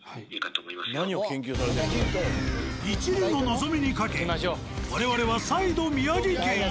いちるの望みにかけ我々は再度宮城県へ。